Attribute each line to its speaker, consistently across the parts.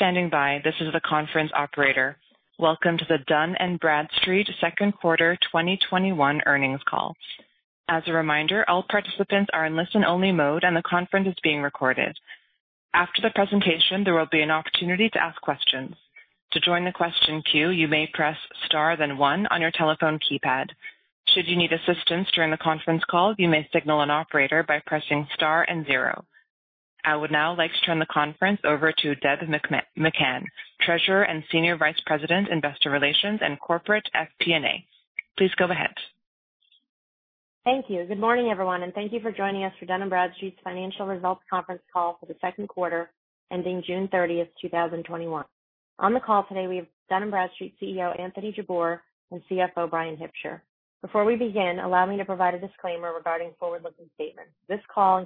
Speaker 1: Standing by, this is the conference operator. Welcome to the Dun & Bradstreet second quarter 2021 earnings call. As a reminder, all participants are in listen-only mode and the conference is being recorded. After the presentation, there will be an opportunity to ask questions. To join the question queue, you may press star then one on your telephone keypad. Should you need assistance during the conference call, you may signal an operator by pressing star and zero. I would now like to turn the conference over to Debra McCann, Treasurer and Senior Vice President, Investor Relations and Corporate FP&A. Please go ahead.
Speaker 2: Thank you. Good morning, everyone, and thank you for joining us for Dun & Bradstreet's financial results conference call for the second quarter ending June 30th, 2021. On the call today we have Dun & Bradstreet CEO, Anthony Jabbour, and CFO, Bryan Hipsher. Before we begin, allow me to provide a disclaimer regarding forward-looking statements. This call,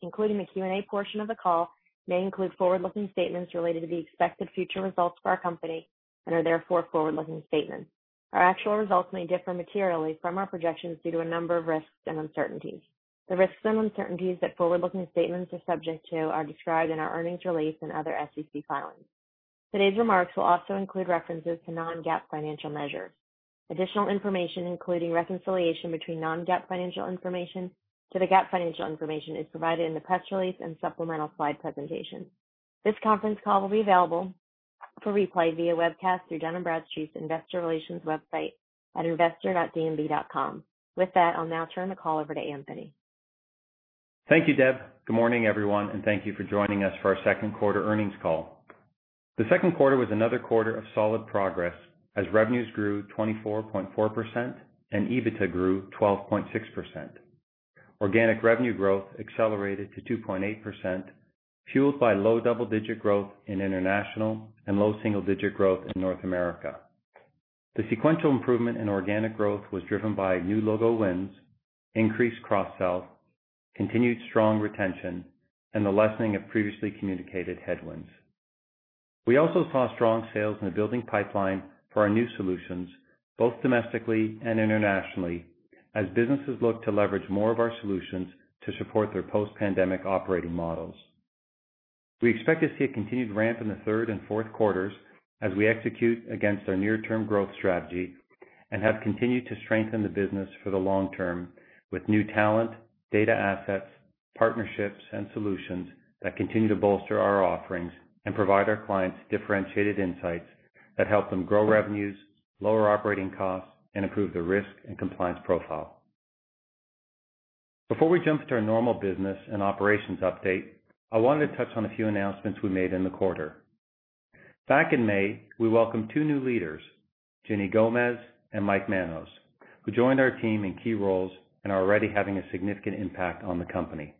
Speaker 2: including the Q&A portion of the call, may include forward-looking statements related to the expected future results for our company and are therefore forward-looking statements. Our actual results may differ materially from our projections due to a number of risks and uncertainties. The risks and uncertainties that forward-looking statements are subject to are described in our earnings release and other SEC filings. Today's remarks will also include references to non-GAAP financial measures. Additional information, including reconciliation between non-GAAP financial information to the GAAP financial information, is provided in the press release and supplemental slide presentation. This conference call will be available for replay via webcast through Dun & Bradstreet's investor relations website at investor.dnb.com. With that, I'll now turn the call over to Anthony.
Speaker 3: Thank you, Deb. Good morning, everyone, and thank you for joining us for our second quarter earnings call. The second quarter was another quarter of solid progress as revenues grew 24.4% and EBITDA grew 12.6%. Organic revenue growth accelerated to 2.8%, fueled by low double-digit growth in international and low single-digit growth in North America. The sequential improvement in organic growth was driven by new logo wins, increased cross-sells, continued strong retention, and the lessening of previously communicated headwinds. We also saw strong sales in the building pipeline for our new solutions, both domestically and internationally, as businesses look to leverage more of our solutions to support their post-pandemic operating models. We expect to see a continued ramp in the third and fourth quarters as we execute against our near-term growth strategy and have continued to strengthen the business for the long term with new talent, data assets, partnerships, and solutions that continue to bolster our offerings and provide our clients differentiated insights that help them grow revenues, lower operating costs, and improve their risk and compliance profile. Before we jump to our normal business and operations update, I wanted to touch on a few announcements we made in the quarter. Back in May, we welcomed two new leaders, Ginny Gomez and Mike Manos, who joined our team in key roles and are already having a significant impact on the company.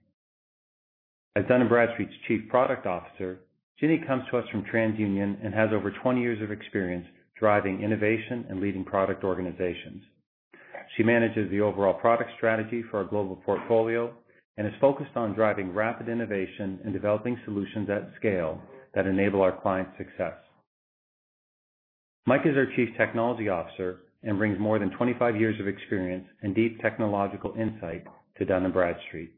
Speaker 3: As Dun & Bradstreet's Chief Product Officer, Ginny comes to us from TransUnion and has over 20 years of experience driving innovation and leading product organizations. She manages the overall product strategy for our global portfolio and is focused on driving rapid innovation and developing solutions at scale that enable our clients' success. Mike is our Chief Technology Officer and brings more than 25 years of experience and deep technological insight to Dun & Bradstreet.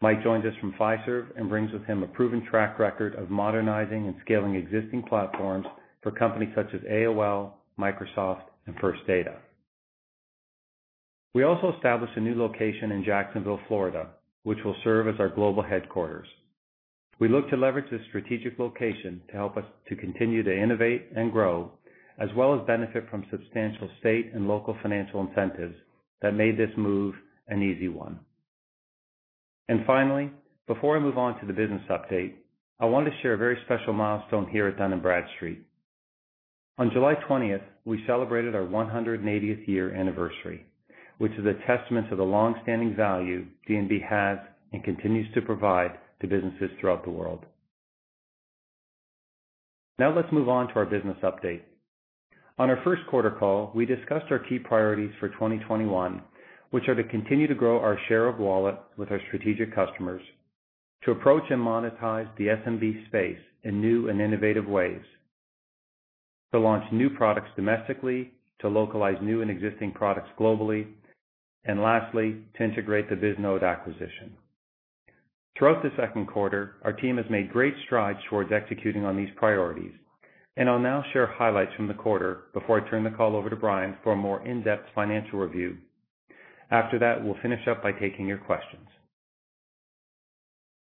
Speaker 3: Mike joins us from Fiserv and brings with him a proven track record of modernizing and scaling existing platforms for companies such as AOL, Microsoft, and First Data. We also established a new location in Jacksonville, Florida, which will serve as our global headquarters. We look to leverage this strategic location to help us to continue to innovate and grow, as well as benefit from substantial state and local financial incentives that made this move an easy one. Finally, before I move on to the business update, I want to share a very special milestone here at Dun & Bradstreet. On July 20th, we celebrated our 180th year anniversary, which is a testament to the longstanding value D&B has and continues to provide to businesses throughout the world. Let's move on to our business update. On our first quarter call, we discussed our key priorities for 2021, which are to continue to grow our share of wallet with our strategic customers, to approach and monetize the SMB space in new and innovative ways, to launch new products domestically, to localize new and existing products globally, and lastly, to integrate the Bisnode acquisition. Throughout the second quarter, our team has made great strides towards executing on these priorities, and I'll now share highlights from the quarter before I turn the call over to Bryan for a more in-depth financial review. After that, we'll finish up by taking your questions.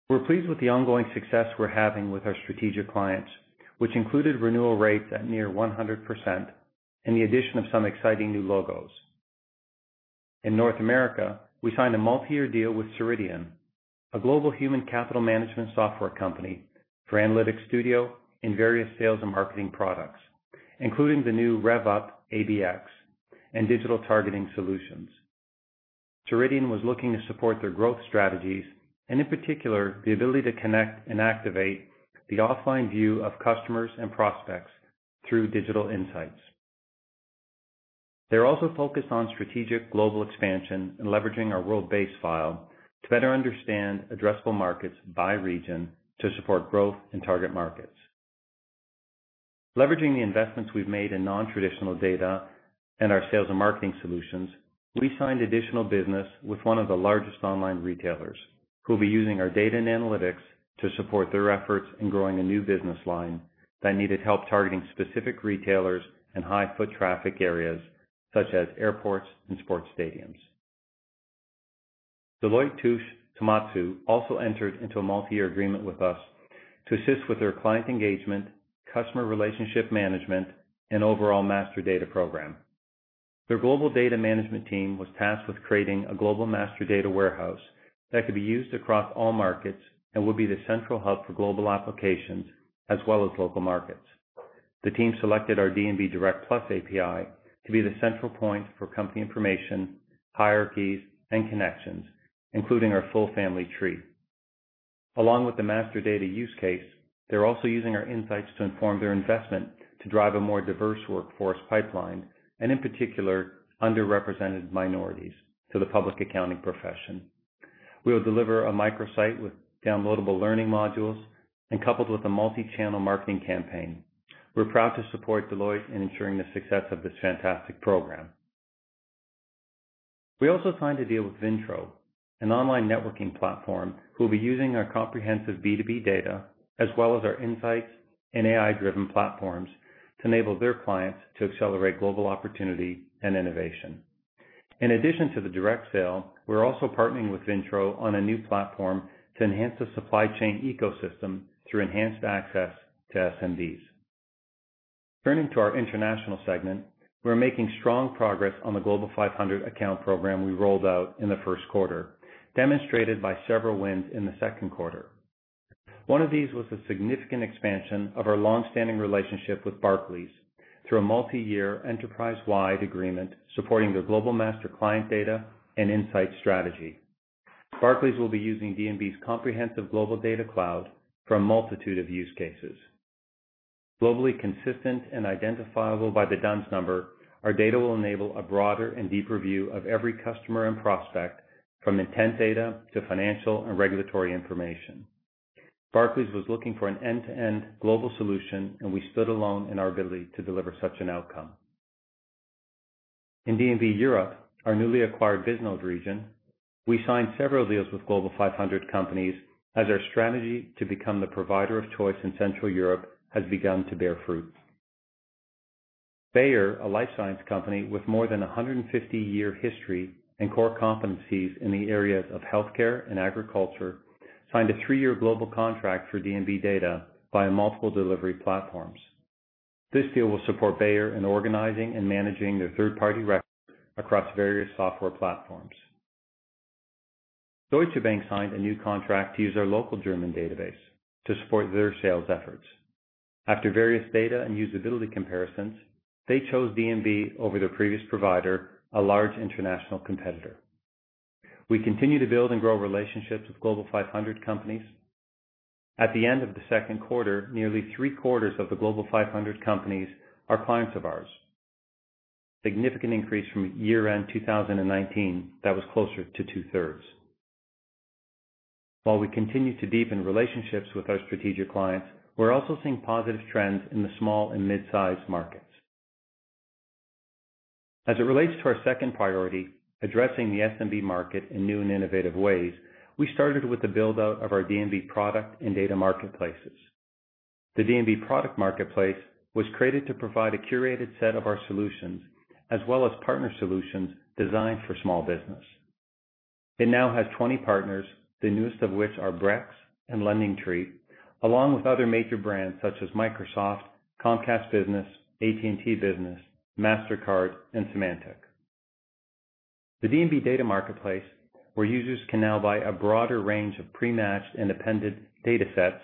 Speaker 3: We're pleased with the ongoing success we're having with our strategic clients, which included renewal rates at near 100% and the addition of some exciting new logos. In North America, we signed a multi-year deal with Ceridian, a global human capital management software company, for Analytics Studio and various sales and marketing products, including the new Rev.Up ABX and digital targeting solutions. Ceridian was looking to support their growth strategies and, in particular, the ability to connect and activate the offline view of customers and prospects through digital insights. They're also focused on strategic global expansion and leveraging our WorldBase file to better understand addressable markets by region to support growth in target markets. Leveraging the investments we've made in non-traditional data and our sales and marketing solutions, we signed additional business with one of the largest online retailers who will be using our data and analytics to support their efforts in growing a new business line that needed help targeting specific retailers and high foot traffic areas such as airports and sports stadiums. Deloitte Touche Tohmatsu entered into a multi-year agreement with us to assist with their client engagement, customer relationship management, and overall master data program. Their global data management team was tasked with creating a global master data warehouse that could be used across all markets and would be the central hub for global applications as well as local markets. The team selected our D&B Direct+ API to be the central point for company information, hierarchies, and connections, including our full family tree. Along with the master data use case, they're also using our insights to inform their investment to drive a more diverse workforce pipeline and in particular, underrepresented minorities to the public accounting profession. We will deliver a microsite with downloadable learning modules and coupled with a multi-channel marketing campaign. We're proud to support Deloitte in ensuring the success of this fantastic program. We also signed a deal with Vintro, an online networking platform who will be using our comprehensive B2B data as well as our insights and AI-driven platforms to enable their clients to accelerate global opportunity and innovation. In addition to the direct sale, we're also partnering with Vintro on a new platform to enhance the supply chain ecosystem through enhanced access to SMBs. Turning to our international segment, we're making strong progress on the Global 500 account program we rolled out in the 1st quarter, demonstrated by several wins in the second quarter. One of these was a significant expansion of our longstanding relationship with Barclays through a multi-year enterprise-wide agreement supporting their global master client data and insight strategy. Barclays will be using D&B's comprehensive global data cloud for a multitude of use cases. Globally consistent and identifiable by the D-U-N-S Number, our data will enable a broader and deeper view of every customer and prospect from intent data to financial and regulatory information. Barclays was looking for an end-to-end global solution. We stood alone in our ability to deliver such an outcome. In D&B Europe, our newly acquired Bisnode region, we signed several deals with Global 500 companies as our strategy to become the provider of choice in Central Europe has begun to bear fruit. Bayer, a life science company with more than 150-year history and core competencies in the areas of healthcare and agriculture, signed a three-year global contract for D&B data via multiple delivery platforms. This deal will support Bayer in organizing and managing their third-party records across various software platforms. Deutsche Bank signed a new contract to use our local German database to support their sales efforts. After various data and usability comparisons, they chose D&B over their previous provider, a large international competitor. We continue to build and grow relationships with Global 500 companies. At the end of the second quarter, nearly three-quarters of the Global 500 companies are clients of ours. Significant increase from year-end 2019, that was closer to 2/3. While we continue to deepen relationships with our strategic clients, we're also seeing positive trends in the small and mid-sized markets. As it relates to our second priority, addressing the SMB market in new and innovative ways, we started with the build-out of our D&B product and data marketplaces. The D&B product marketplace was created to provide a curated set of our solutions as well as partner solutions designed for small business. It now has 20 partners, the newest of which are Brex and LendingTree, along with other major brands such as Microsoft, Comcast Business, AT&T Business, Mastercard, and Symantec. The D&B data marketplace, where users can now buy a broader range of pre-matched and appended datasets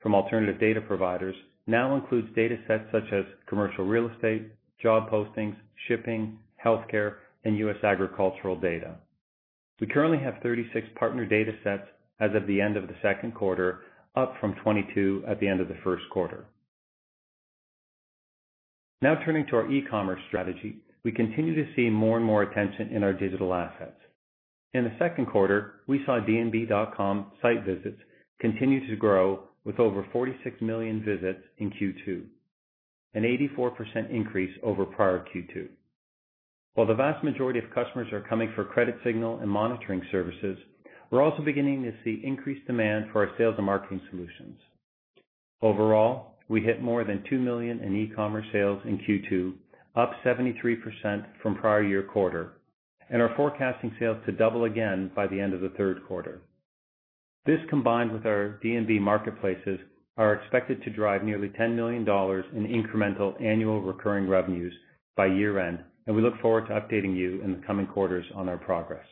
Speaker 3: from alternative data providers, now includes datasets such as commercial real estate, job postings, shipping, healthcare, and U.S. agricultural data. We currently have 36 partner datasets as of the end of the second quarter, up from 22 at the end of the first quarter. Turning to our e-commerce strategy. We continue to see more and more attention in our digital assets. In the second quarter, we saw dnb.com site visits continue to grow with over 46 million visits in Q2, an 84% increase over prior Q2. While the vast majority of customers are coming for CreditSignal and monitoring services, we're also beginning to see increased demand for our sales and marketing solutions. Overall, we hit more than $2 million in e-commerce sales in Q2, up 73% from prior year quarter, and are forecasting sales to double again by the end of the third quarter. This, combined with our D&B marketplaces, are expected to drive nearly $10 million in incremental annual recurring revenues by year-end. We look forward to updating you in the coming quarters on our progress.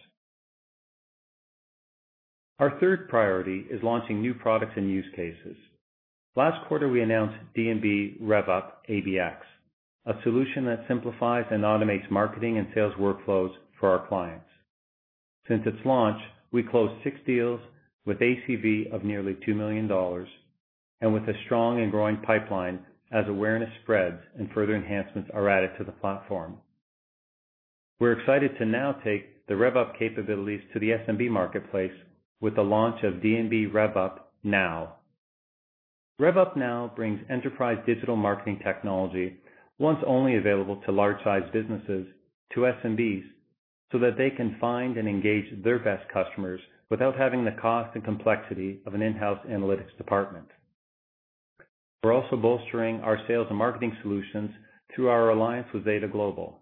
Speaker 3: Our third priority is launching new products and use cases. Last quarter, we announced D&B Rev.Up ABX, a solution that simplifies and automates marketing and sales workflows for our clients. Since its launch, we closed six deals with ACV of nearly $2 million and with a strong and growing pipeline as awareness spreads and further enhancements are added to the platform. We're excited to now take the Rev.Up capabilities to the SMB marketplace with the launch of D&B Rev.Up Now. Rev.Up Now brings enterprise digital marketing technology, once only available to large-size businesses, to SMBs, that they can find and engage their best customers without having the cost and complexity of an in-house analytics department. We're also bolstering our sales and marketing solutions through our alliance with Zeta Global.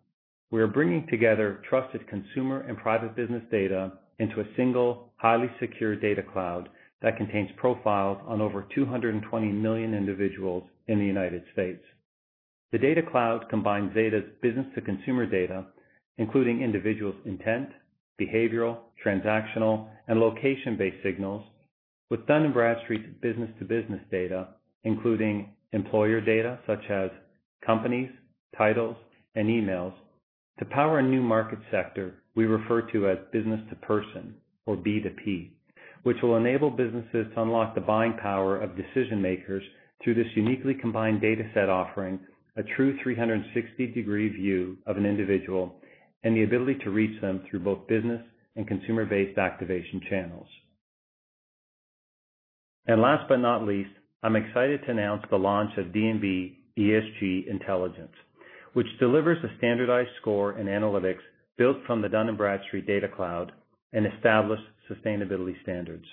Speaker 3: We are bringing together trusted consumer and private business data into a single, highly secure data cloud that contains profiles on over 220 million individuals in the United States. The data cloud combines Zeta's business-to-consumer data, including individual's intent, behavioral, transactional, and location-based signals, with Dun & Bradstreet business-to-business data, including employer data such as companies, titles, and emails, to power a new market sector we refer to as business-to-person or B2P, which will enable businesses to unlock the buying power of decision-makers through this uniquely combined data set offering a true 360-degree view of an individual and the ability to reach them through both business and consumer-based activation channels. Last but not least, I'm excited to announce the launch of D&B ESG Intelligence, which delivers a standardized score and analytics built from the Dun & Bradstreet Data Cloud and established sustainability standards.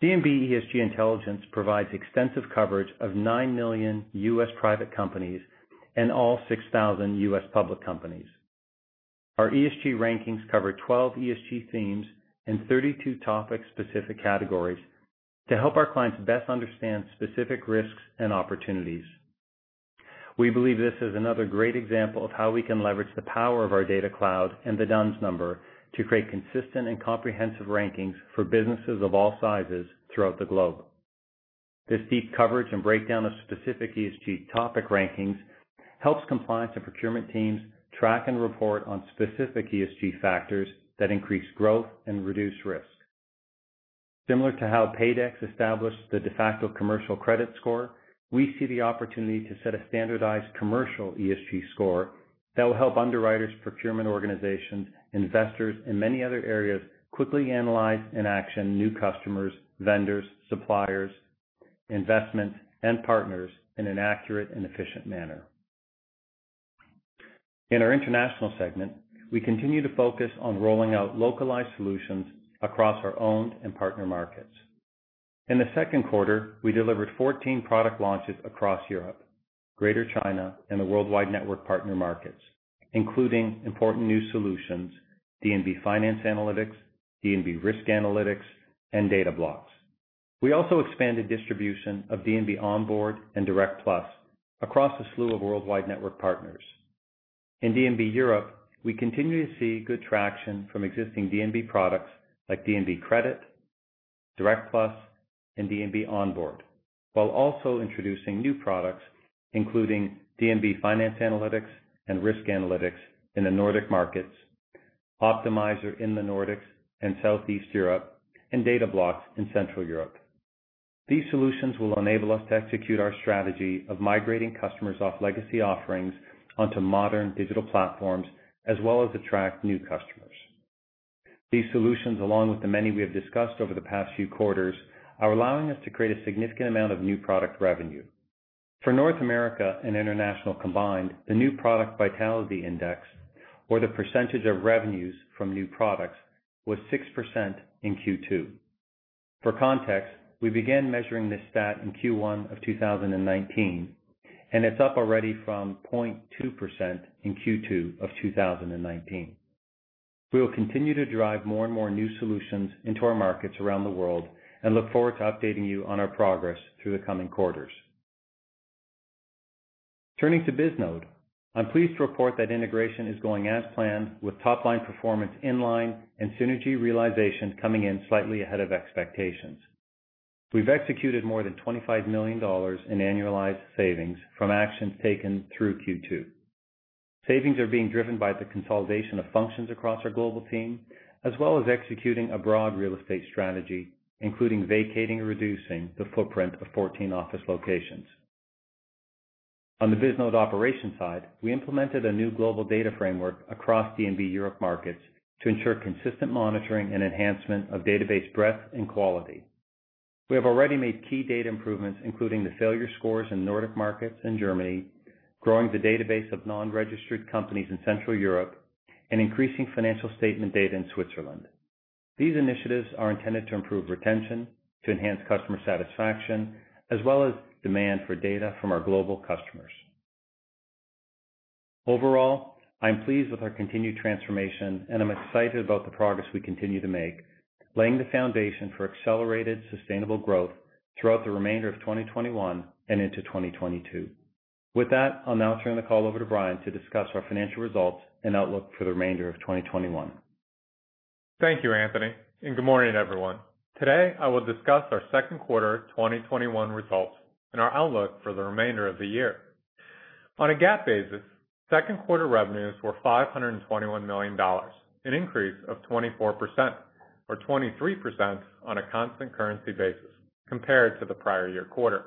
Speaker 3: D&B ESG Intelligence provides extensive coverage of 9 million U.S. private companies and all 6,000 U.S. public companies. Our ESG rankings cover 12 ESG themes and 32 topic-specific categories to help our clients best understand specific risks and opportunities. We believe this is another great example of how we can leverage the power of our data cloud and the D-U-N-S Number to create consistent and comprehensive rankings for businesses of all sizes throughout the globe. This deep coverage and breakdown of specific ESG topic rankings helps compliance and procurement teams track and report on specific ESG factors that increase growth and reduce risk. Similar to how PAYDEX established the de facto commercial credit score, we see the opportunity to set a standardized commercial ESG score that will help underwriters, procurement organizations, investors, and many other areas quickly analyze and action new customers, vendors, suppliers, investments, and partners in an accurate and efficient manner. In our International segment, we continue to focus on rolling out localized solutions across our owned and partner markets. In the second quarter, we delivered 14 product launches across Europe, Greater China, and the Worldwide Network Partner markets, including important new solutions, D&B Finance Analytics, D&B Risk Analytics, and D&B Data Blocks. We also expanded distribution of D&B Onboard and D&B Direct+ across a slew of Worldwide Network Partners. In D&B Europe, we continue to see good traction from existing D&B products like D&B Credit, Direct+, and D&B Onboard, while also introducing new products, including D&B Finance Analytics and Risk Analytics in the Nordic markets, Optimizer in the Nordics and Southeast Europe, and D&B Data Blocks in Central Europe. These solutions will enable us to execute our strategy of migrating customers off legacy offerings onto modern digital platforms, as well as attract new customers. These solutions, along with the many we have discussed over the past few quarters, are allowing us to create a significant amount of new product revenue. For North America and International combined, the new product vitality index or the percentage of revenues from new products was 6% in Q2. For context, we began measuring this stat in Q1 of 2019, and it's up already from 0.2% in Q2 of 2019. We will continue to drive more and more new solutions into our markets around the world and look forward to updating you on our progress through the coming quarters. Turning to Bisnode, I am pleased to report that integration is going as planned with top-line performance in line and synergy realization coming in slightly ahead of expectations. We have executed more than $25 million in annualized savings from actions taken through Q2. Savings are being driven by the consolidation of functions across our global team, as well as executing a broad real estate strategy, including vacating or reducing the footprint of 14 office locations. On the Bisnode operations side, we implemented a new global data framework across D&B Europe markets to ensure consistent monitoring and enhancement of database breadth and quality. We have already made key data improvements, including the failure scores in Nordic markets and Germany, growing the database of non-registered companies in Central Europe, and increasing financial statement data in Switzerland. These initiatives are intended to improve retention, to enhance customer satisfaction, as well as demand for data from our global customers. Overall, I'm pleased with our continued transformation, and I'm excited about the progress we continue to make, laying the foundation for accelerated, sustainable growth throughout the remainder of 2021 and into 2022. With that, I'll now turn the call over to Bryan to discuss our financial results and outlook for the remainder of 2021.
Speaker 4: Thank you, Anthony, good morning, everyone. Today, I will discuss our second quarter 2021 results and our outlook for the remainder of the year. On a GAAP basis, second quarter revenues were $521 million, an increase of 24%, or 23% on a constant currency basis compared to the prior year quarter.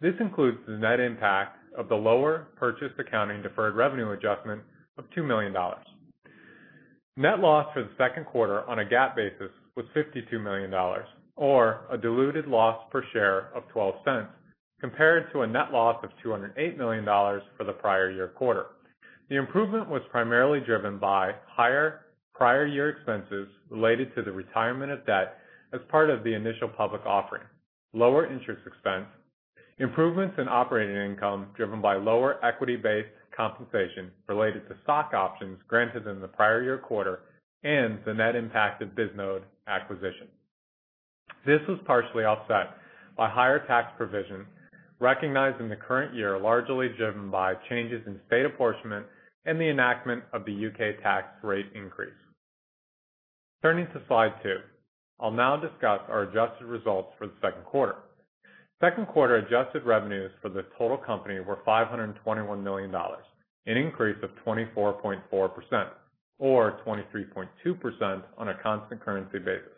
Speaker 4: This includes the net impact of the lower purchase accounting deferred revenue adjustment of $2 million. Net loss for the second quarter on a GAAP basis was $52 million, or a diluted loss per share of $0.12, compared to a net loss of $208 million for the prior year quarter. The improvement was primarily driven by higher prior year expenses related to the retirement of debt as part of the initial public offering, lower interest expense, improvements in operating income driven by lower equity-based compensation related to stock options granted in the prior year quarter, and the net impact of Bisnode acquisition. This was partially offset by higher tax provision recognized in the current year, largely driven by changes in state apportionment and the enactment of the U.K. tax rate increase. Turning to slide two, I'll now discuss our adjusted results for the second quarter. Second quarter adjusted revenues for the total company were $521 million, an increase of 24.4%, or 23.2% on a constant currency basis.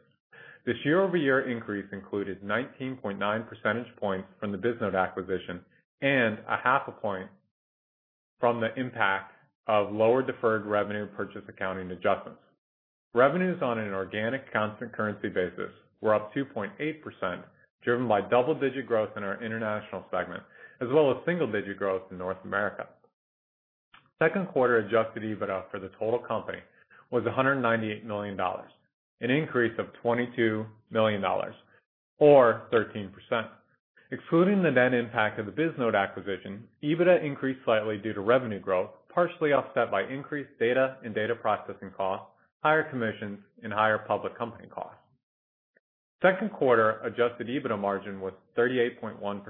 Speaker 4: This year-over-year increase included 19.9 percentage points from the Bisnode acquisition and a half a point from the impact of lower deferred revenue purchase accounting adjustments. Revenues on an organic constant currency basis were up 2.8%, driven by double-digit growth in our International segment, as well as single-digit growth in North America. Second quarter adjusted EBITDA for the total company was $198 million, an increase of $22 million or 13%. Excluding the net impact of the Bisnode acquisition, EBITDA increased slightly due to revenue growth, partially offset by increased data and data processing costs, higher commissions, and higher public company costs. Second quarter adjusted EBITDA margin was 38.1%.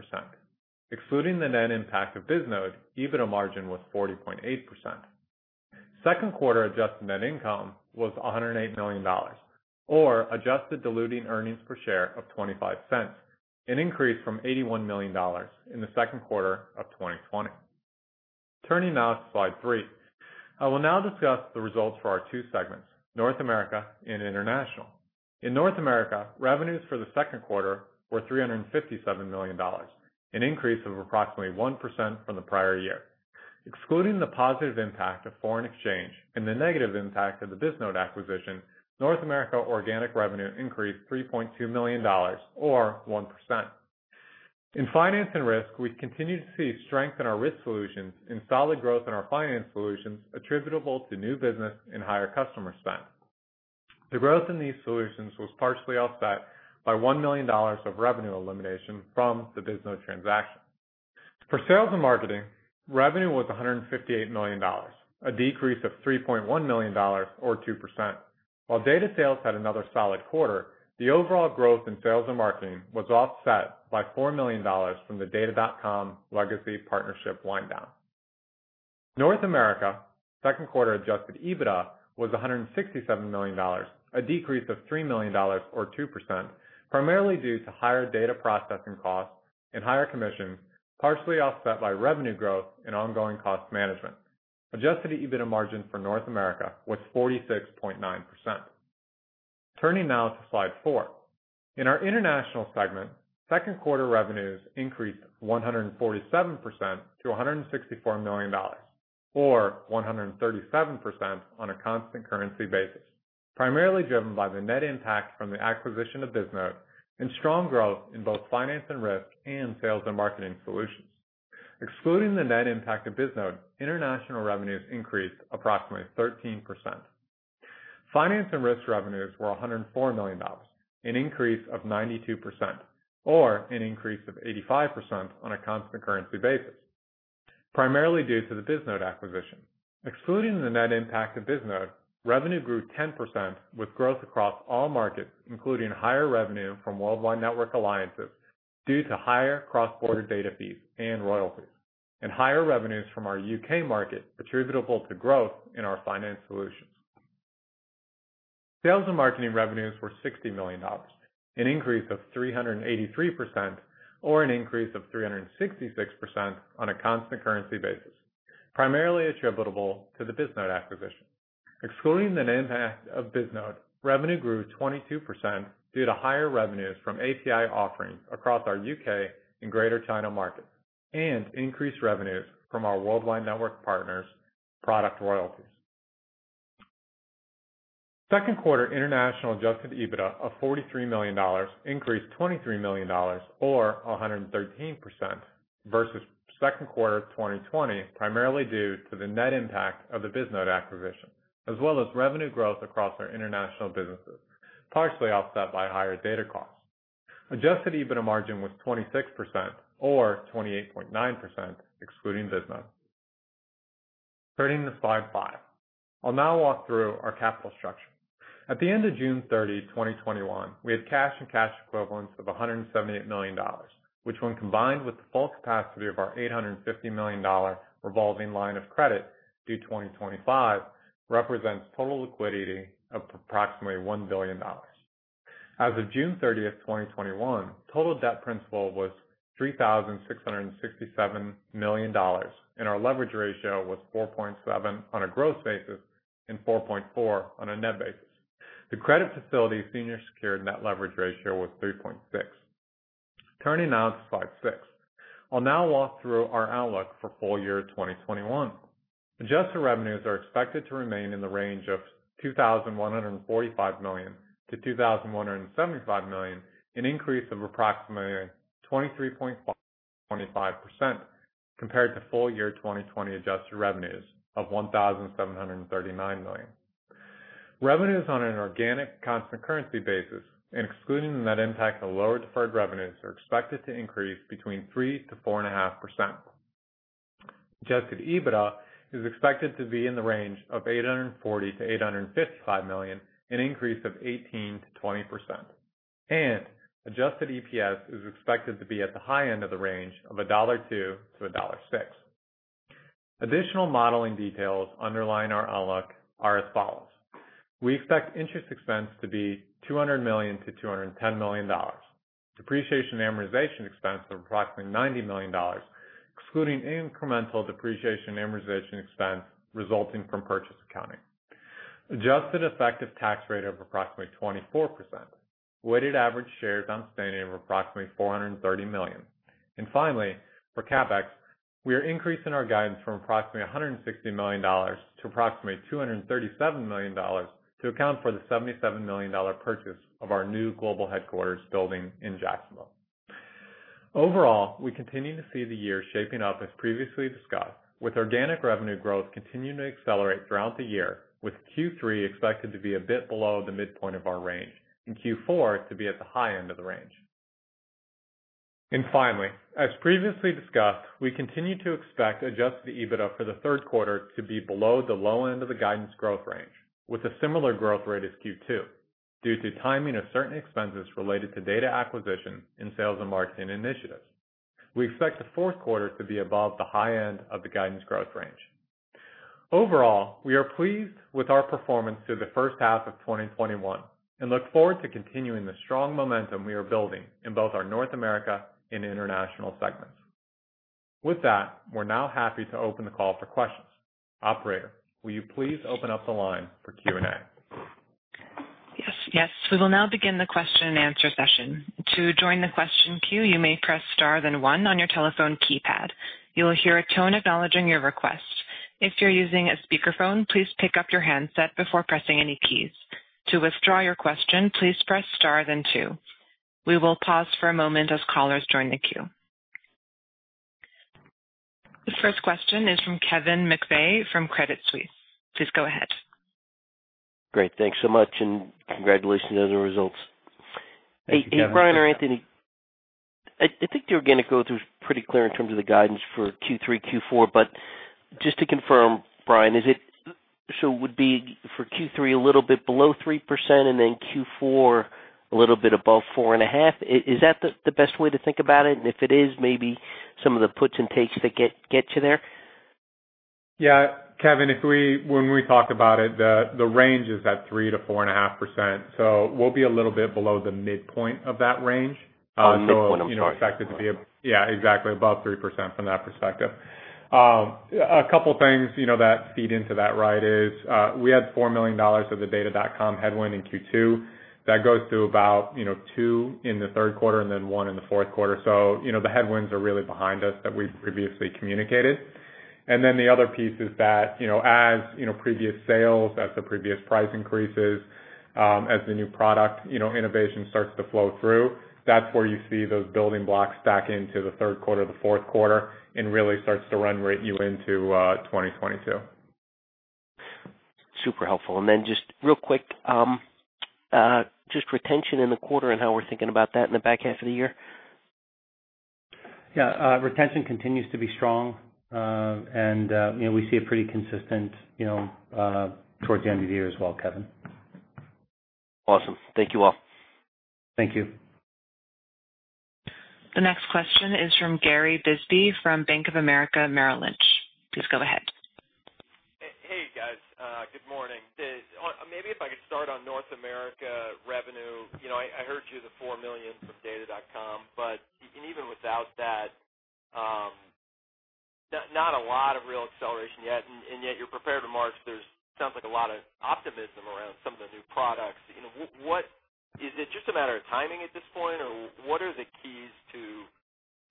Speaker 4: Excluding the net impact of Bisnode, EBITDA margin was 40.8%. Second quarter adjusted net income was $108 million, or adjusted diluting earnings per share of $0.25, an increase from $81 million in the second quarter of 2020. Turning now to slide three. I will now discuss the results for our two segments, North America and International. In North America, revenues for the second quarter were $357 million, an increase of approximately 1% from the prior year. Excluding the positive impact of foreign exchange and the negative impact of the Bisnode acquisition, North America organic revenue increased $3.2 million, or 1%. In Finance and Risk, we continued to see strength in our risk solutions and solid growth in our finance solutions attributable to new business and higher customer spend. The growth in these solutions was partially offset by $1 million of revenue elimination from the Bisnode transaction. For Sales and Marketing, revenue was $158 million, a decrease of $3.1 million or 2%. While data sales had another solid quarter, the overall growth in Sales and Marketing was offset by $4 million from the Data.com legacy partnership wind down. North America second quarter adjusted EBITDA was $167 million, a decrease of $3 million or 2%, primarily due to higher data processing costs and higher commissions, partially offset by revenue growth and ongoing cost management. Adjusted EBITDA margin for North America was 46.9%. Turning now to slide four. In our International segment, second quarter revenues increased 147% to $164 million, or 137% on a constant currency basis, primarily driven by the net impact from the acquisition of Bisnode and strong growth in both Finance and Risk and Sales and Marketing solutions. Excluding the net impact of Bisnode, International revenues increased approximately 13%. Finance and Risk revenues were $104 million, an increase of 92%, or an increase of 85% on a constant currency basis, primarily due to the Bisnode acquisition. Excluding the net impact of Bisnode, revenue grew 10% with growth across all markets, including higher revenue from Worldwide Network alliances due to higher cross-border data fees and royalties, and higher revenues from our U.K. market attributable to growth in our finance solutions. Sales and Marketing revenues were $60 million, an increase of 383%, or an increase of 366% on a constant currency basis, primarily attributable to the Bisnode acquisition. Excluding the net impact of Bisnode, revenue grew 22% due to higher revenues from API offerings across our U.K. and Greater China markets and increased revenues from our Worldwide Network partners' product royalties. Second quarter International adjusted EBITDA of $43 million increased $23 million, or 113%, versus second quarter 2020, primarily due to the net impact of the Bisnode acquisition, as well as revenue growth across our International businesses, partially offset by higher data costs. Adjusted EBITDA margin was 26%, or 28.9% excluding Bisnode. Turning to slide five. I'll now walk through our capital structure. At the end of June 30, 2021, we had cash and cash equivalents of $178 million, which when combined with the full capacity of our $850 million revolving line of credit due 2025, represents total liquidity of approximately $1 billion. As of June 30th, 2021, total debt principal was $3,667 million, and our leverage ratio was 4.7 on a gross basis and 4.4 on a net basis. The credit facility senior secured net leverage ratio was 3.6. Turning now to slide six. I'll now walk through our outlook for full year 2021. Adjusted revenues are expected to remain in the range of $2,145 million-$2,175 million, an increase of approximately 23.5%-25% compared to full year 2020 adjusted revenues of $1,739 million. Revenues on an organic constant currency basis and excluding the net impact of lower deferred revenues are expected to increase between 3%-4.5%. Adjusted EBITDA is expected to be in the range of $840 million-$855 million, an increase of 18%-20%. Adjusted EPS is expected to be at the high end of the range of $1.02-$1.06. Additional modeling details underlying our outlook are as follows. We expect interest expense to be $200 million-$210 million. Depreciation and amortization expense of approximately $90 million, excluding incremental depreciation and amortization expense resulting from purchase accounting. Adjusted effective tax rate of approximately 24%. Weighted average shares outstanding of approximately 430 million. Finally, for CapEx, we are increasing our guidance from approximately $160 million to approximately $237 million to account for the $77 million purchase of our new global headquarters building in Jacksonville. Overall, we continue to see the year shaping up as previously discussed, with organic revenue growth continuing to accelerate throughout the year, with Q3 expected to be a bit below the midpoint of our range and Q4 to be at the high end of the range. Finally, as previously discussed, we continue to expect adjusted EBITDA for the third quarter to be below the low end of the guidance growth range with a similar growth rate as Q2 due to timing of certain expenses related to data acquisition and sales and marketing initiatives. We expect the fourth quarter to be above the high end of the guidance growth range. Overall, we are pleased with our performance through the first half of 2021 and look forward to continuing the strong momentum we are building in both our North America and international segments. With that, we're now happy to open the call for questions. Operator, will you please open up the line for Q&A?
Speaker 1: Yes. We will now begin the question and answer session. To join the question queue, you may press star one on your telephone keypad. You will hear a tone acknowledging your request. If you're using a speakerphone, please pick up your handset before pressing any keys. To withdraw your question, please press star two. We will pause for a moment as callers join the queue. The first question is from Kevin McVeigh from Credit Suisse. Please go ahead.
Speaker 5: Great. Thanks so much, and congratulations on the results.
Speaker 4: Thank you, Kevin.
Speaker 5: Hey, Bryan or Anthony, I think the organic growth was pretty clear in terms of the guidance for Q3, Q4. Just to confirm, Bryan, would be for Q3 a little bit below 3% and then Q4 a little bit above 4.5%? Is that the best way to think about it? If it is, maybe some of the puts and takes that get you there.
Speaker 4: Yeah. Kevin, when we talked about it, the range is at 3%-4.5%. We'll be a little bit below the midpoint of that range.
Speaker 5: Midpoint. I'm sorry.
Speaker 4: Expected to be, yeah, exactly above 3% from that perspective. A couple things that feed into that right is we had $4 million of the Data.com headwind in Q2. That goes to about $2 million in the third quarter and then $1 million in the fourth quarter. The headwinds are really behind us that we previously communicated. The other piece is that as previous sales, as the previous price increases, as the new product innovation starts to flow through, that's where you see those building blocks back into the third quarter, the fourth quarter, and really starts to run rate you into 2022.
Speaker 5: Super helpful. Just real quick, retention in the quarter and how we're thinking about that in the back half of the year?
Speaker 3: Yeah. Retention continues to be strong. We see it pretty consistent towards the end of the year as well, Kevin.
Speaker 5: Awesome. Thank you all.
Speaker 3: Thank you.
Speaker 1: The next question is from Gary Bisbee from Bank of America Merrill Lynch. Please go ahead.
Speaker 6: Hey, guys. Good morning. Maybe if I could start on North America revenue. I heard you, the $4 million from Data.com. Even without that, not a lot of real acceleration yet. Yet you're prepared to mark there sounds like a lot of optimism around some of the new products. Is it just a matter of timing at this point, or what are the keys to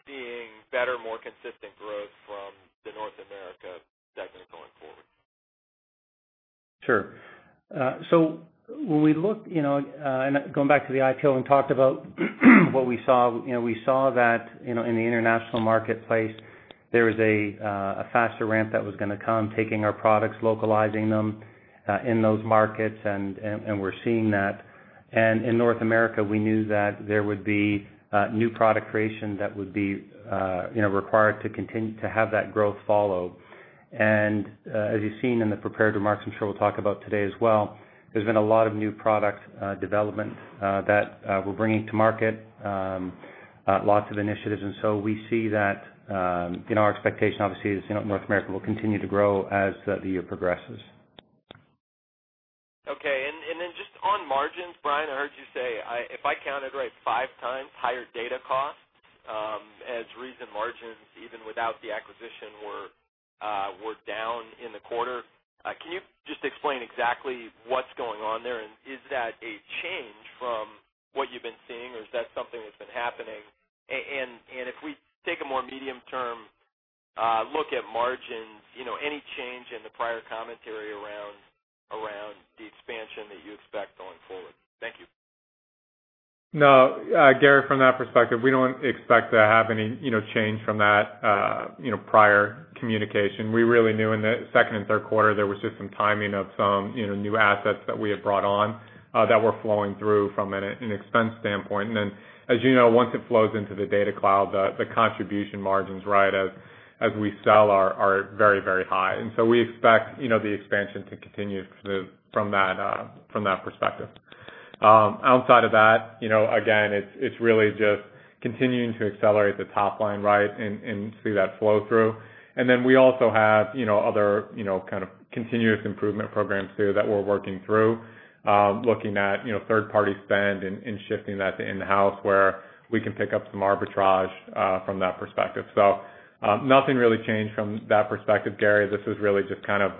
Speaker 6: seeing better, more consistent growth from the North America segment going forward?
Speaker 3: Sure. When we looked, and going back to the IPO and talked about what we saw, we saw that in the international marketplace, there was a faster ramp that was going to come, taking our products, localizing them in those markets, and we're seeing that. In North America, we knew that there would be new product creation that would be required to continue to have that growth follow. As you've seen in the prepared remarks, I'm sure we'll talk about today as well, there's been a lot of new product development that we're bringing to market, lots of initiatives. We see that our expectation, obviously, is North America will continue to grow as the year progresses.
Speaker 6: Okay. Just on margins, Bryan, I heard you say, if I counted right, 5x higher data costs. As recent margins, even without the acquisition, were down in the quarter, can you just explain exactly what's going on there? Is that a change from what you've been seeing, or is that something that's been happening? If we take a more medium-term look at margins, any change in the prior commentary around the expansion that you expect going forward? Thank you.
Speaker 4: No. Gary, from that perspective, we don't expect to have any change from that prior communication. We really knew in the second and third quarter there was just some timing of some new assets that we had brought on that were flowing through from an expense standpoint. As you know, once it flows into the Data Cloud, the contribution margins as we sell are very, very high. We expect the expansion to continue from that perspective. Outside of that, again, it's really just continuing to accelerate the top line and see that flow through. We also have other kind of continuous improvement programs too, that we're working through, looking at third-party spend and shifting that to in-house where we can pick up some arbitrage from that perspective. Nothing really changed from that perspective, Gary. This is really just kind of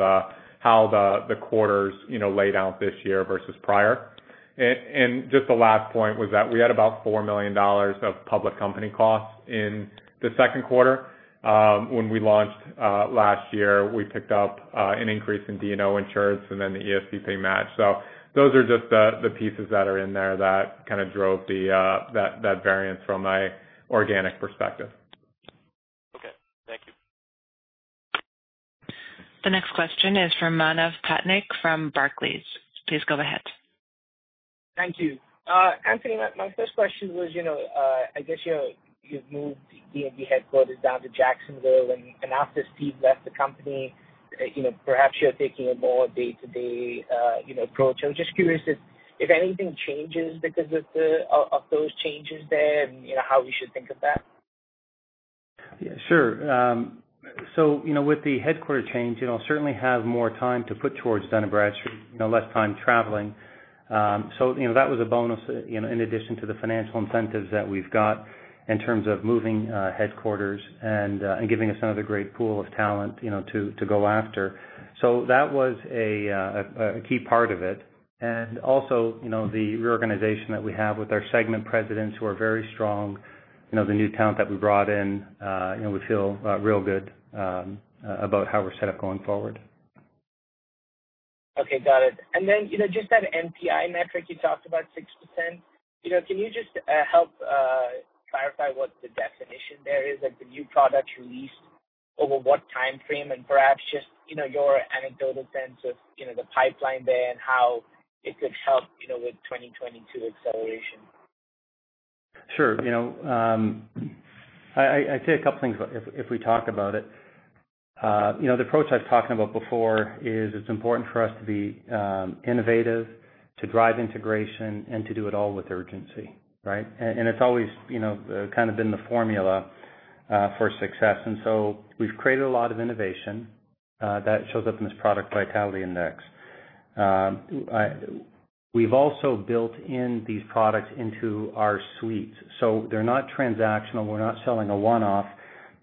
Speaker 4: how the quarters laid out this year versus prior. Just the last point was that we had about $4 million of public company costs in the second quarter. When we launched last year, we picked up an increase in D&O insurance and then the ESPP pay match. Those are just the pieces that are in there that kind of drove that variance from a organic perspective.
Speaker 6: Okay. Thank you.
Speaker 1: The next question is from Manav Patnaik from Barclays. Please go ahead.
Speaker 7: Thank you. Anthony, my first question was, I guess you've moved D&B headquarters down to Jacksonville, and after Steve left the company, perhaps you're taking a more day-to-day approach. I'm just curious if anything changes because of those changes there and how we should think of that.
Speaker 3: Sure. With the headquarter change, I'll certainly have more time to put towards Dun & Bradstreet, less time traveling. That was a bonus in addition to the financial incentives that we've got in terms of moving headquarters and giving us another great pool of talent to go after. That was a key part of it. Also, the reorganization that we have with our segment presidents who are very strong, the new talent that we brought in, we feel real good about how we're set up going forward.
Speaker 7: Okay, got it. Just that NPI metric you talked about, 6%, can you just help clarify what the definition there is? Like the new product released over what time frame and perhaps just your anecdotal sense of the pipeline there and how it could help with 2022 acceleration?
Speaker 3: Sure. I'd say a couple things if we talk about it. The approach I was talking about before is it's important for us to be innovative, to drive integration, and to do it all with urgency, right? It's always kind of been the formula for success. We've created a lot of innovation that shows up in this product vitality index. We've also built in these products into our suites. They're not transactional. We're not selling a one-off,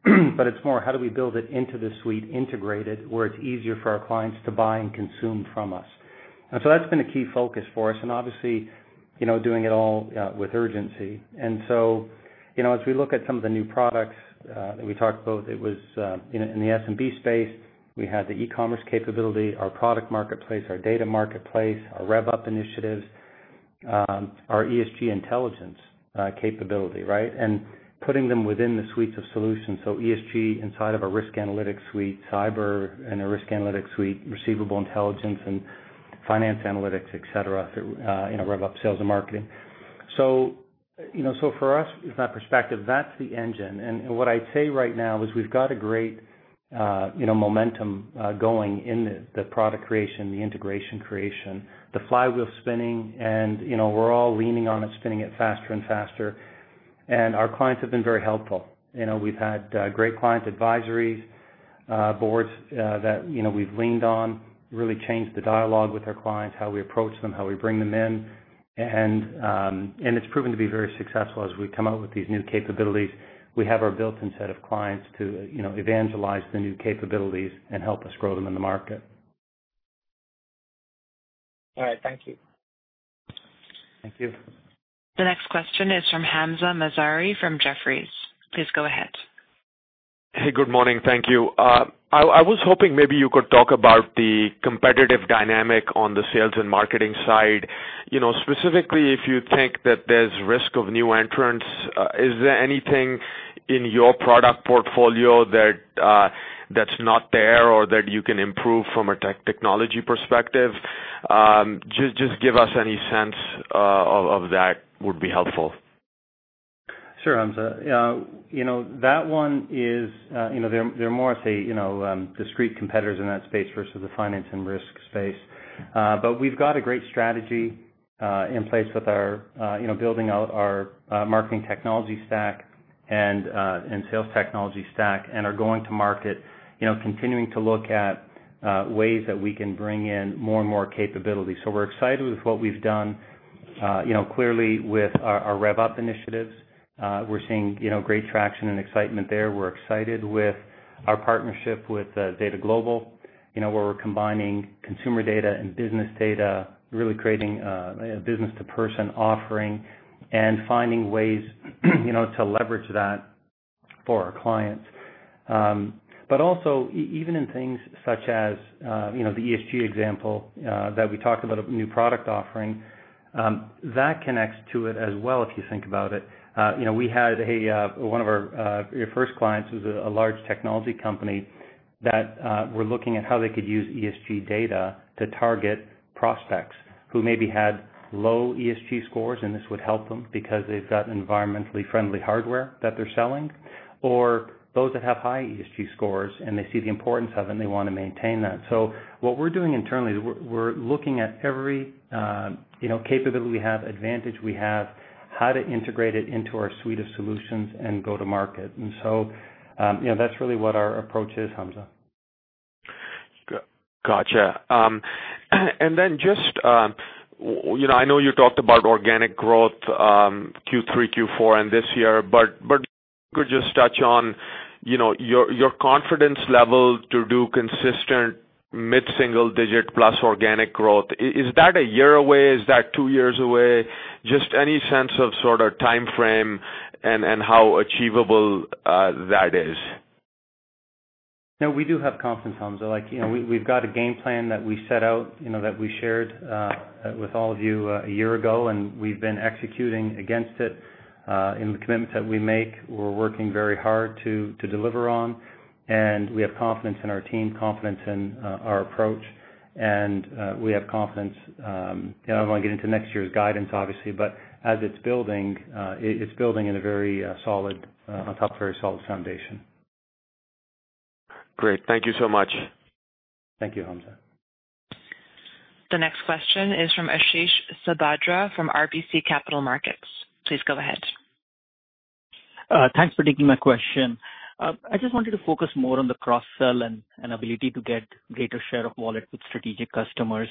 Speaker 3: but it's more how do we build it into the suite integrated, where it's easier for our clients to buy and consume from us? That's been a key focus for us, and obviously, doing it all with urgency. As we look at some of the new products that we talked about, it was in the SMB space, we had the e-commerce capability, our product marketplace, our data marketplace, our Rev.Up initiatives, our ESG Intelligence capability? Putting them within the suites of solutions. ESG inside of a Risk Analytics suite, cyber and a Risk Analytics suite, receivable intelligence, and Finance Analytics, et cetera, Rev.Up sales and marketing. For us, from that perspective, that's the engine. What I'd say right now is we've got a great momentum going in the product creation, the integration creation, the flywheel spinning, and we're all leaning on it, spinning it faster and faster. Our clients have been very helpful. We've had great client advisories, boards that we've leaned on, really changed the dialogue with our clients, how we approach them, how we bring them in, and it's proven to be very successful as we come out with these new capabilities. We have our built-in set of clients to evangelize the new capabilities and help us grow them in the market.
Speaker 7: All right. Thank you.
Speaker 3: Thank you.
Speaker 1: The next question is from Hamzah Mazari from Jefferies. Please go ahead.
Speaker 8: Hey, good morning. Thank you. I was hoping maybe you could talk about the competitive dynamic on the sales and marketing side. Specifically, if you think that there's risk of new entrants. Is there anything in your product portfolio that's not there or that you can improve from a technology perspective? Just give us any sense of that would be helpful.
Speaker 3: Sure, Hamzah. There are more, say, discreet competitors in that space versus the finance and risk space. We've got a great strategy in place with our building out our marketing technology stack and sales technology stack, and are going to market, continuing to look at ways that we can bring in more and more capability. We're excited with what we've done. Clearly with our Rev.Up initiatives, we're seeing great traction and excitement there. We're excited with our partnership with Zeta Global, where we're combining consumer data and business data, really creating a business to person offering and finding ways to leverage that for our clients. Also even in things such as the ESG example that we talked about, a new product offering, that connects to it as well, if you think about it. One of our first clients was a large technology company that were looking at how they could use ESG data to target prospects who maybe had low ESG scores, and this would help them because they've got environmentally friendly hardware that they're selling, or those that have high ESG scores, and they see the importance of them, they want to maintain that. What we're doing internally, we're looking at every capability we have, advantage we have, how to integrate it into our suite of solutions and go to market. That's really what our approach is, Hamzah.
Speaker 8: Got you. Just, I know you talked about organic growth Q3, Q4, and this year, if you could just touch on your confidence level to do consistent mid-single digit plus organic growth. Is that a year away? Is that two years away? Just any sense of sort of timeframe and how achievable that is.
Speaker 3: No, we do have confidence, Hamzah. We've got a game plan that we set out, that we shared with all of you a year ago, and we've been executing against it in the commitments that we make. We're working very hard to deliver on, and we have confidence in our team, confidence in our approach, and we have confidence. I don't want to get into next year's guidance, obviously, but as it's building, it's building on a very solid foundation.
Speaker 8: Great. Thank you so much.
Speaker 3: Thank you, Hamzah.
Speaker 1: The next question is from Ashish Sabadra from RBC Capital Markets. Please go ahead.
Speaker 9: Thanks for taking my question. I just wanted to focus more on the cross-sell and ability to get greater share of wallet with strategic customers.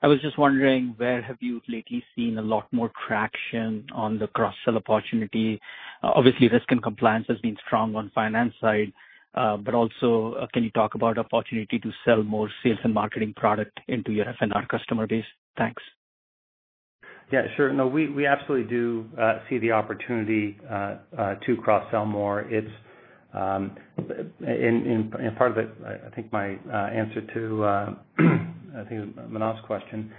Speaker 9: I was just wondering, where have you lately seen a lot more traction on the cross-sell opportunity? Obviously, risk and compliance has been strong on finance side. Also, can you talk about opportunity to sell more sales and marketing product into your F&R customer base? Thanks.
Speaker 3: Sure. No, we absolutely do see the opportunity to cross-sell more. Part of it, I think my answer to, I think it was Manav's question,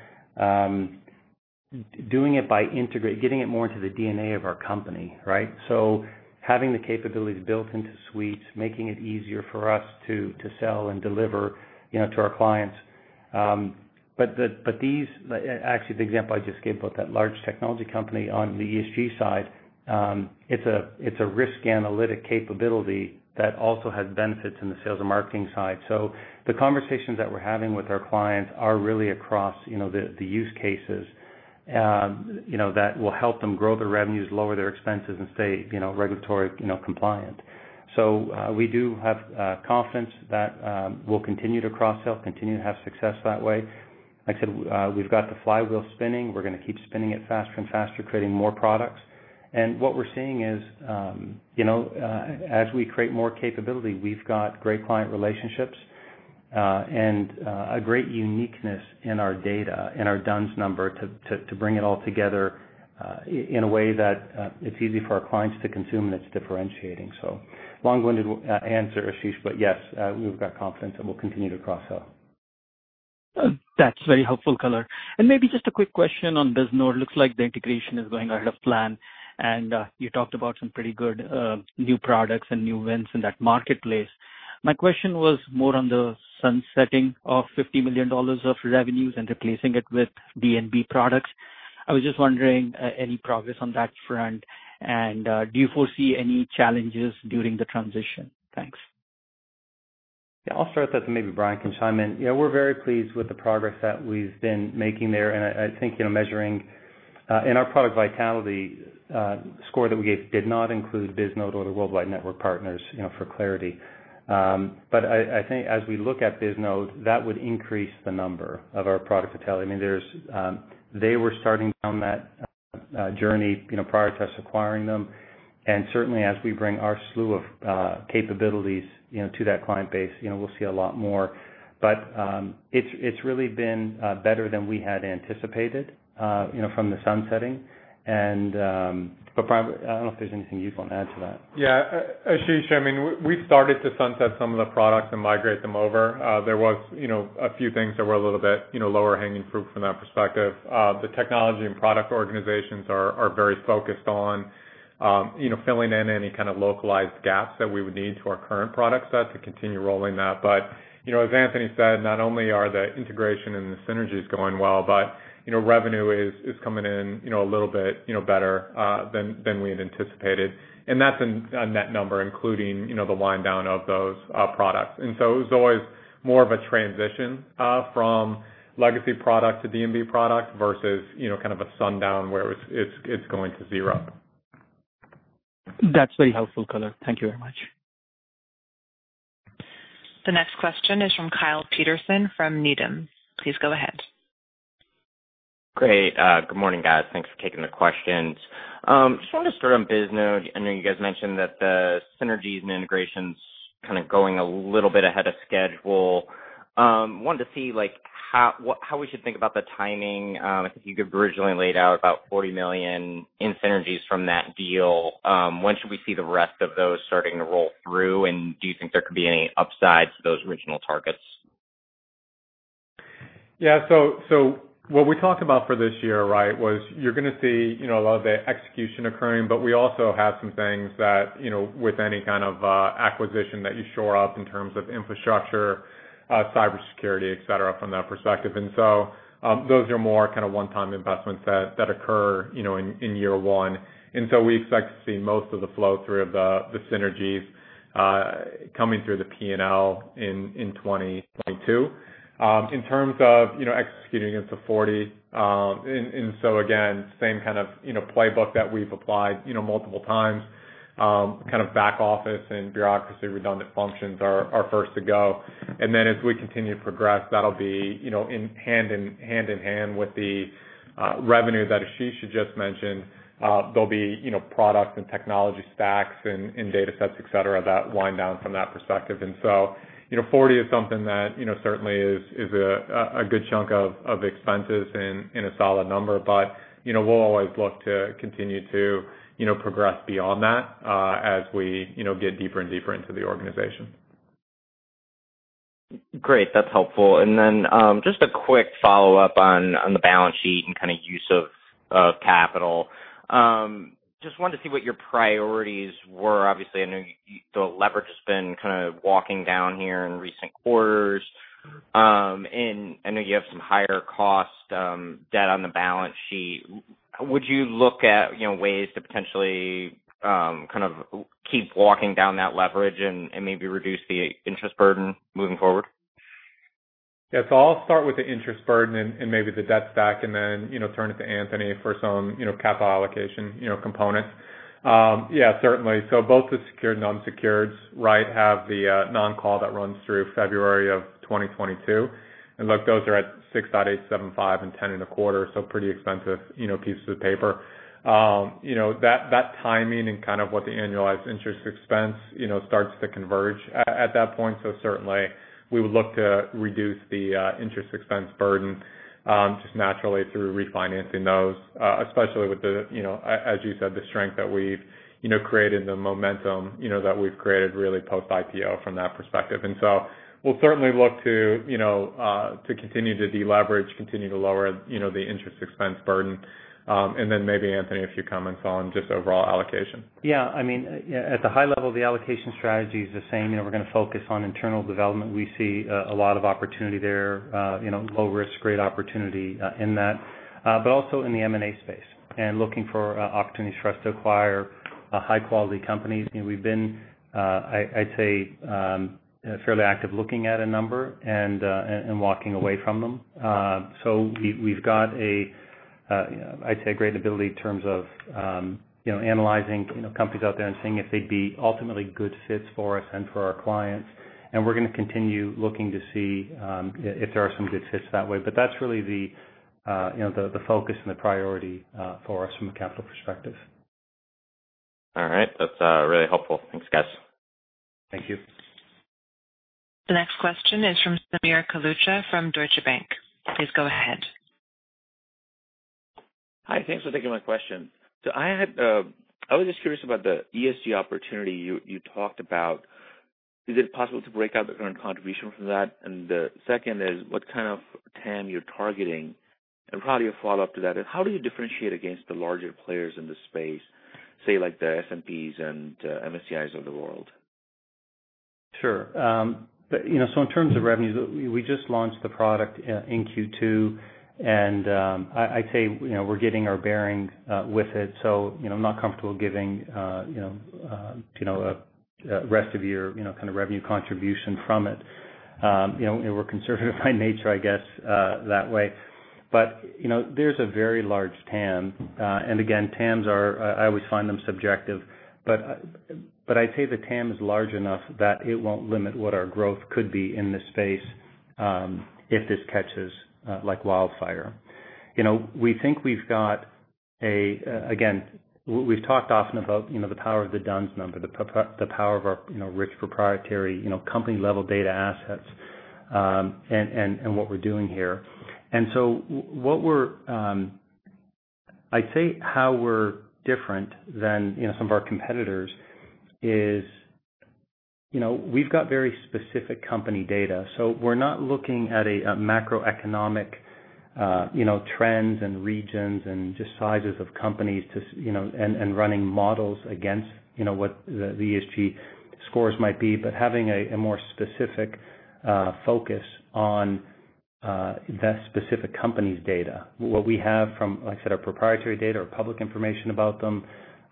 Speaker 3: doing it by getting it more into the DNA of our company, right? Having the capabilities built into suites, making it easier for us to sell and deliver to our clients. Actually, the example I just gave about that large technology company on the ESG side, it's a risk analytic capability that also has benefits in the sales and marketing side. The conversations that we're having with our clients are really across the use cases that will help them grow their revenues, lower their expenses, and stay regulatory compliant. We do have confidence that we'll continue to cross-sell, continue to have success that way. Like I said, we've got the flywheel spinning. We're going to keep spinning it faster and faster, creating more products. What we're seeing is as we create more capability, we've got great client relationships, and a great uniqueness in our data and our D-U-N-S number to bring it all together, in a way that it's easy for our clients to consume, and it's differentiating. Long-winded answer, Ashish, but yes, we've got confidence that we'll continue to cross-sell.
Speaker 9: That's very helpful color. Maybe just a quick question on Bisnode. Looks like the integration is going ahead of plan, and you talked about some pretty good new products and new wins in that marketplace. My question was more on the sunsetting of $50 million of revenues and replacing it with D&B products. I was just wondering, any progress on that front, and do you foresee any challenges during the transition? Thanks.
Speaker 3: Yeah, I'll start that, and maybe Bryan can chime in. Yeah, we're very pleased with the progress that we've been making there, and I think measuring in our product vitality score that we gave did not include Bisnode or the Worldwide Network Partners for clarity. I think as we look at Bisnode, that would increase the number of our product vitality. They were starting down that journey prior to us acquiring them. Certainly as we bring our slew of capabilities to that client base, we'll see a lot more. It's really been better than we had anticipated from the sunsetting. Bryan, I don't know if there's anything you'd want to add to that.
Speaker 4: Ashish, we started to sunset some of the products and migrate them over. There was a few things that were a little bit lower hanging fruit from that perspective. The technology and product organizations are very focused on filling in any kind of localized gaps that we would need to our current product set to continue rolling that. As Anthony said, not only are the integration and the synergies going well, but revenue is coming in a little bit better than we had anticipated. That's a net number, including the wind down of those products. It was always more of a transition from legacy product to D&B product versus kind of a sundown where it's going to zero.
Speaker 9: That's very helpful color. Thank you very much.
Speaker 1: The next question is from Kyle Peterson from Needham. Please go ahead.
Speaker 10: Great. Good morning, guys. Thanks for taking the questions. Just wanted to start on Bisnode. I know you guys mentioned that the synergies and integrations kind of going a little bit ahead of schedule. Wanted to see how we should think about the timing. I think you guys originally laid out about $40 million in synergies from that deal. When should we see the rest of those starting to roll through? Do you think there could be any upsides to those original targets?
Speaker 4: Yeah. What we talked about for this year was you're going to see a lot of the execution occurring, but we also have some things that, with any kind of acquisition that you shore up in terms of infrastructure, cybersecurity, et cetera, from that perspective. Those are more kind of one-time investments that occur in year one. We expect to see most of the flow through of the synergies coming through the P&L in 2022. In terms of executing into $40 million, again, same kind of playbook that we've applied multiple times, kind of back office and bureaucracy redundant functions are first to go. As we continue to progress, that'll be hand in hand with the revenue that Ashish had just mentioned. There'll be product and technology stacks and data sets, et cetera, that wind down from that perspective. $40 million is something that certainly is a good chunk of expenses and a solid number. We'll always look to continue to progress beyond that as we get deeper and deeper into the organization.
Speaker 10: Great. That's helpful. Just a quick follow-up on the balance sheet and kind of use of capital. Just wanted to see what your priorities were. Obviously, I know the leverage has been kind of walking down here in recent quarters. I know you have some higher cost debt on the balance sheet. Would you look at ways to potentially kind of keep walking down that leverage and maybe reduce the interest burden moving forward?
Speaker 4: I'll start with the interest burden and maybe the debt stack and then turn it to Anthony for some capital allocation component. Certainly. Both the secured and unsecured have the non-call that runs through February of 2022. Look, those are at 6.875 and 10.25, so pretty expensive pieces of paper. That timing and kind of what the annualized interest expense starts to converge at that point. Certainly we would look to reduce the interest expense burden, just naturally through refinancing those, especially with the, as you said, the strength that we've created, the momentum that we've created really post IPO from that perspective. We'll certainly look to continue to deleverage, continue to lower the interest expense burden. Then maybe Anthony, a few comments on just overall allocation.
Speaker 3: Yeah. At the high level, the allocation strategy is the same. We're going to focus on internal development. We see a lot of opportunity there, low risk, great opportunity in that. Also in the M&A space, and looking for opportunities for us to acquire high quality companies. We've been, I'd say, fairly active looking at a number and walking away from them. We've got a, I'd say, a great ability in terms of analyzing companies out there and seeing if they'd be ultimately good fits for us and for our clients. We're going to continue looking to see if there are some good fits that way. That's really the focus and the priority for us from a capital perspective.
Speaker 10: All right. That's really helpful. Thanks, guys.
Speaker 3: Thank you.
Speaker 1: The next question is from Sameer Kalucha from Deutsche Bank. Please go ahead.
Speaker 11: Hi. Thanks for taking my question. I was just curious about the ESG opportunity you talked about. Is it possible to break out the current contribution from that? The second is what kind of TAM you're targeting, and probably a follow-up to that is how do you differentiate against the larger players in this space, say, like the S&Ps and MSCIs of the world?
Speaker 3: Sure. In terms of revenues, we just launched the product in Q2, and I'd say we're getting our bearings with it. I'm not comfortable giving a rest of year kind of revenue contribution from it. We're conservative by nature, I guess, that way. There's a very large TAM, and again, TAMs are, I always find them subjective, but I'd say the TAM is large enough that it won't limit what our growth could be in this space if this catches like wildfire. Again, we've talked often about the power of the D-U-N-S Number, the power of our rich proprietary company-level data assets, and what we're doing here. I'd say how we're different than some of our competitors is we've got very specific company data. We're not looking at a macroeconomic trends and regions and just sizes of companies and running models against what the ESG scores might be. Having a more specific focus on that specific company's data. What we have from, like I said, our proprietary data or public information about them,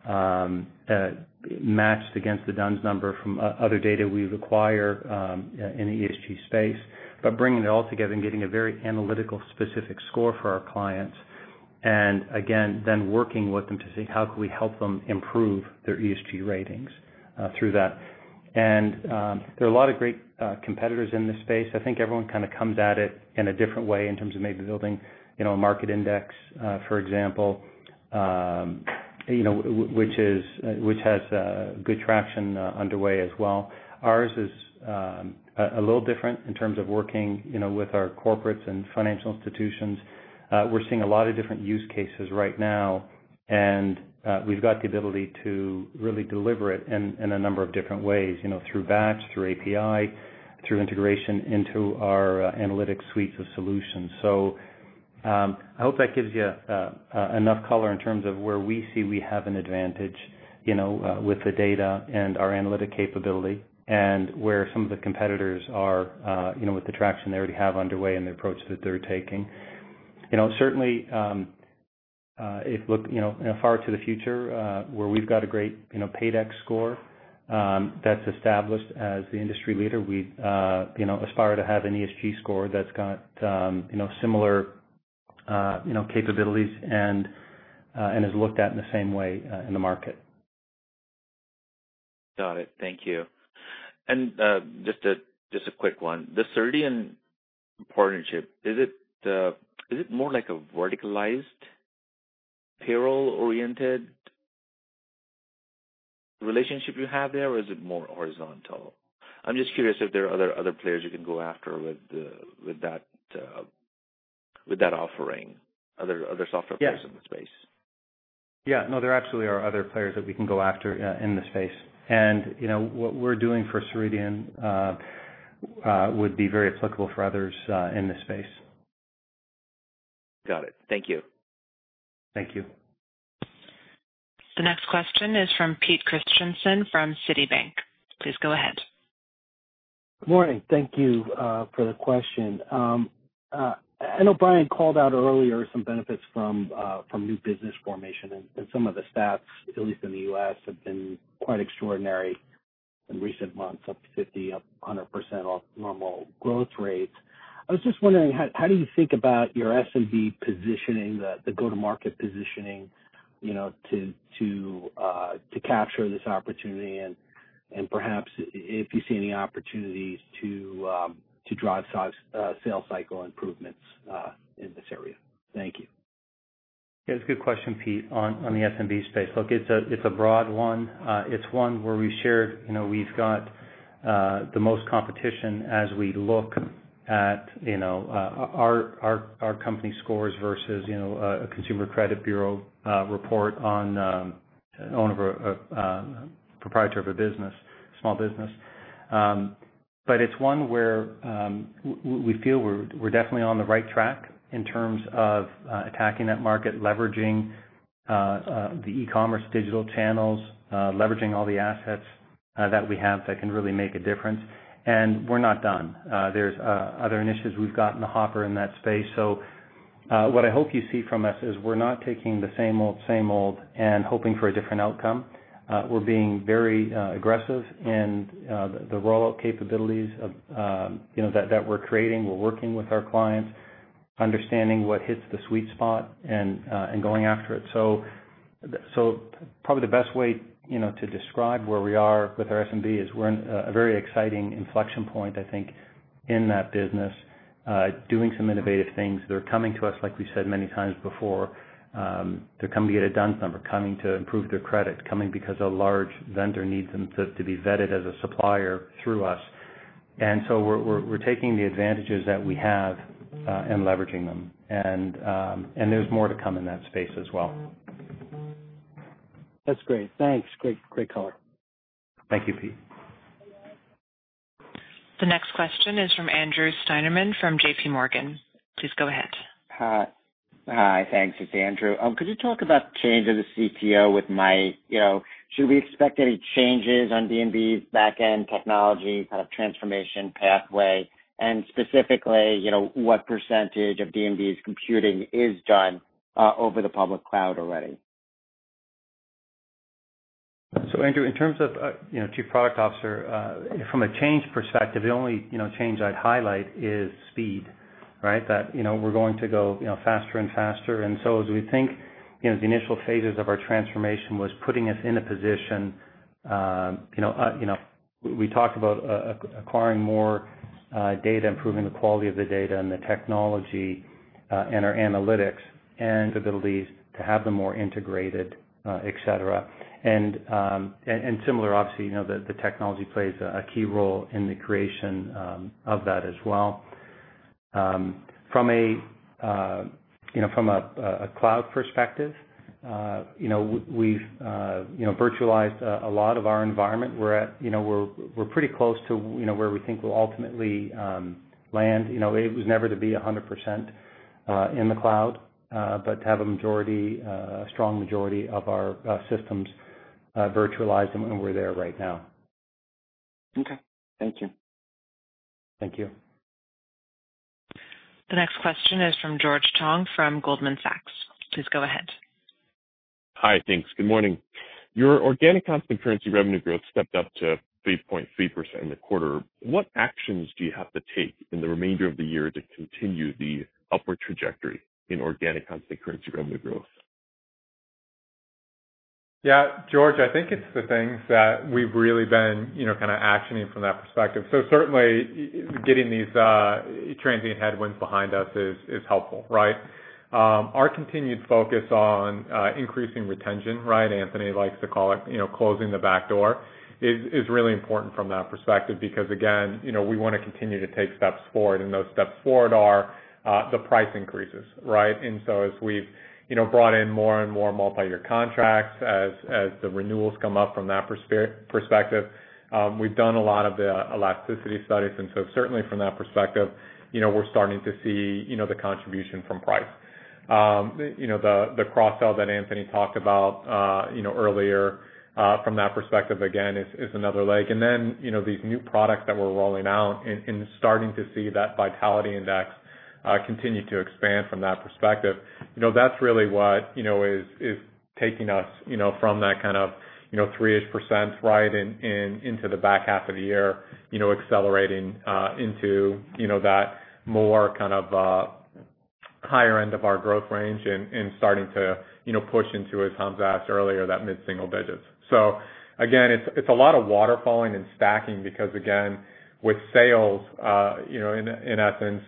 Speaker 3: matched against the D-U-N-S Number from other data we've acquire in the ESG space. Bringing it all together and getting a very analytical specific score for our clients. Again, then working with them to see how can we help them improve their ESG ratings through that. There are a lot of great competitors in this space. I think everyone comes at it in a different way in terms of maybe building a market index, for example, which has good traction underway as well. Ours is a little different in terms of working with our corporates and financial institutions. We're seeing a lot of different use cases right now, and we've got the ability to really deliver it in a number of different ways, through batch, through API, through integration into our analytics suites of solutions. I hope that gives you enough color in terms of where we see we have an advantage with the data and our analytic capability and where some of the competitors are with the traction they already have underway and the approach that they're taking. Certainly, if far to the future, where we've got a great PAYDEX score that's established as the industry leader, we aspire to have an ESG score that's got similar capabilities and is looked at in the same way in the market.
Speaker 11: Got it. Thank you. Just a quick one. The Ceridian partnership, is it more like a verticalized payroll-oriented relationship you have there, or is it more horizontal? I'm just curious if there are other players you can go after with that offering, other software players in the space.
Speaker 3: Yeah. No, there absolutely are other players that we can go after in the space. What we're doing for Ceridian would be very applicable for others in this space.
Speaker 11: Got it. Thank you.
Speaker 3: Thank you.
Speaker 1: The next question is from Pete Christiansen from Citibank. Please go ahead.
Speaker 12: Good morning. Thank you for the question. I know Bryan called out earlier some benefits from new business formation and some of the stats, at least in the U.S., have been quite extraordinary in recent months, up 50%, up 100% off normal growth rates. I was just wondering how do you think about your SMB positioning, the go-to-market positioning to capture this opportunity and perhaps if you see any opportunities to drive sales cycle improvements in this area. Thank you.
Speaker 3: Yeah, it's a good question, Pete, on the SMB space. Look, it's a broad one. It's one where we shared we've got the most competition as we look at our company scores versus a consumer credit bureau report on owner, proprietor of a business, small business. But it's one where we feel we're definitely on the right track in terms of attacking that market, leveraging the e-commerce digital channels, leveraging all the assets that we have that can really make a difference. And we're not done. There's other initiatives we've got in the hopper in that space. So what I hope you see from us is we're not taking the same old, same old and hoping for a different outcome. We're being very aggressive in the rollout capabilities that we're creating. We're working with our clients, understanding what hits the sweet spot and going after it. Probably the best way to describe where we are with our SMB is we're in a very exciting inflection point, I think, in that business doing some innovative things. They're coming to us, like we said many times before, they're coming to get a D-U-N-S Number, coming to improve their credit, coming because a large vendor needs them to be vetted as a supplier through us. We're taking the advantages that we have and leveraging them. There's more to come in that space as well.
Speaker 12: That's great. Thanks. Great color.
Speaker 3: Thank you, Pete.
Speaker 1: The next question is from Andrew Steinerman from JPMorgan. Please go ahead.
Speaker 13: Hi. Thanks. It's Andrew. Could you talk about change of the CPO with Mike? Should we expect any changes on D&B's back-end technology kind of transformation pathway, and specifically, what percentage of D&B's computing is done over the public cloud already?
Speaker 3: Andrew, in terms of chief product officer from a change perspective, the only change I'd highlight is speed, right? That we're going to go faster and faster. As we think the initial phases of our transformation was putting us in a position, we talked about acquiring more data, improving the quality of the data and the technology and our analytics and abilities to have them more integrated et cetera. Similar, obviously, the technology plays a key role in the creation of that as well. From a cloud perspective, we've virtualized a lot of our environment. We're pretty close to where we think we'll ultimately land. It was never to be 100% in the cloud but to have a strong majority of our systems virtualized, and we're there right now.
Speaker 13: Okay. Thank you.
Speaker 3: Thank you.
Speaker 1: The next question is from George Tong from Goldman Sachs. Please go ahead.
Speaker 14: Hi, thanks. Good morning. Your organic constant currency revenue growth stepped up to 3.3% in the quarter. What actions do you have to take in the remainder of the year to continue the upward trajectory in organic constant currency revenue growth?
Speaker 4: Yeah, George, I think it's the things that we've really been kind of actioning from that perspective. Certainly, getting these transient headwinds behind us is helpful, right? Our continued focus on increasing retention, Anthony likes to call it closing the back door, is really important from that perspective, because, again, we want to continue to take steps forward, and those steps forward are the price increases, right? As we've brought in more and more multi-year contracts, as the renewals come up from that perspective, we've done a lot of the elasticity studies, and so certainly from that perspective, we're starting to see the contribution from price. The cross-sell that Anthony talked about earlier from that perspective, again, is another leg. These new products that we're rolling out and starting to see that vitality index continue to expand from that perspective. That's really what is taking us from that kind of 3-ish% into the back half of the year, accelerating into that more kind of higher end of our growth range and starting to push into, as Hamzah asked earlier, that mid-single digits. Again, it's a lot of waterfalling and stacking because, again, with sales, in essence,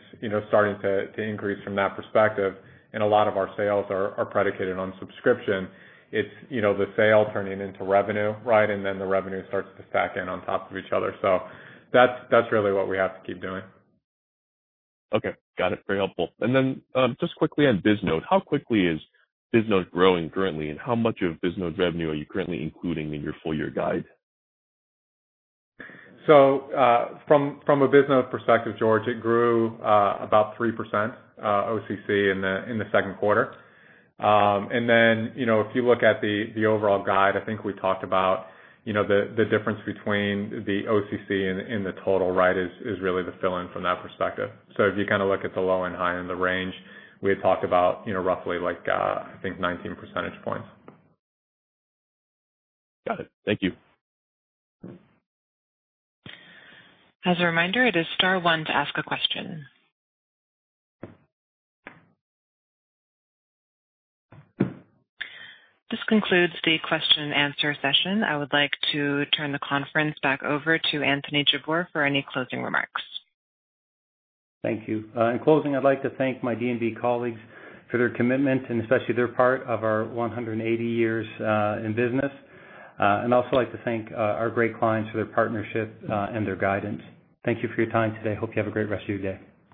Speaker 4: starting to increase from that perspective, and a lot of our sales are predicated on subscription. It's the sale turning into revenue, and then the revenue starts to stack in on top of each other. That's really what we have to keep doing.
Speaker 14: Okay, got it. Very helpful. Just quickly on Bisnode, how quickly is Bisnode growing currently, and how much of Bisnode revenue are you currently including in your full year guide?
Speaker 4: From a Bisnode perspective, George, it grew about 3% OCC in the second quarter. If you look at the overall guide, I think we talked about the difference between the OCC and the total is really the fill-in from that perspective. If you look at the low and high and the range, we had talked about roughly, I think, 19 percentage points.
Speaker 14: Got it. Thank you.
Speaker 1: As a reminder, it is star one to ask a question. This concludes the question and answer session. I would like to turn the conference back over to Anthony Jabbour for any closing remarks.
Speaker 3: Thank you. In closing, I would like to thank my D&B colleagues for their commitment and especially their part of our 180 years in business. I would also like to thank our great clients for their partnership and their guidance. Thank you for your time today. Hope you have a great rest of your day.